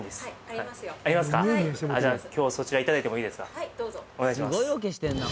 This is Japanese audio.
はいはいどうぞお願いします